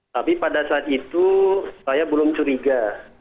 tapi pada saat itu saya belum curiga